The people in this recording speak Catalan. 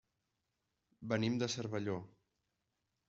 Venim de Cervelló.